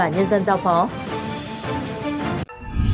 hãy đăng ký kênh để ủng hộ kênh của mình nhé